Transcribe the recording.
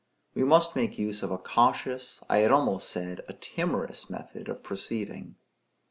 We must make use of a cautious, I had almost said, a timorous method of proceeding.